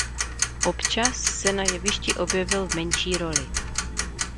Občas se na jevišti objevil v menší roli.